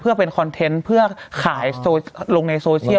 เพื่อเป็นคอนเทนต์เพื่อขายลงในโซเชียล